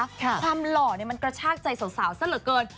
ความหล่อมันกระชากใจสาวซะเหลือเกิน